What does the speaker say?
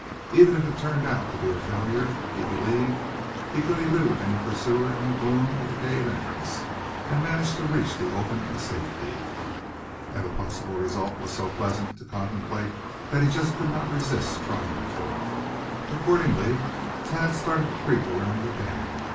Even if it turned out to be a failure he believed he could elude any pursuer in the gloom of the cave entrance, and manage to reach the open in safety. And the possible result was so pleasant to contemplate that he just could not resist trying for it. Accordingly, Thad started to creep around the bend.